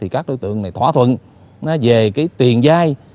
các đối tượng này thỏa thuận về tiền giai